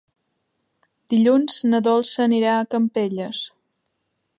Dilluns na Dolça anirà a Campelles.